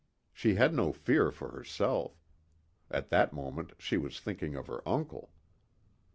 She had no fear for herself. At that moment she was thinking of her uncle.